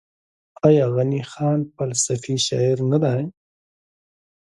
آیا غني خان فلسفي شاعر نه دی؟